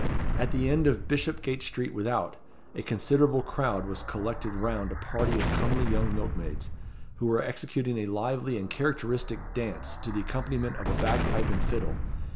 At the end of Bishopgate Street Without a considerable crowd was collected round a party of comely young milkmaids, who were executing a lively and characteristic dance to the accompaniment of a bagpipe and fiddle.